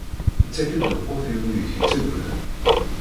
Ittak-d lqut i wid i t-ittaggden.